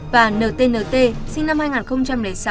và ntnt sinh năm hai nghìn sáu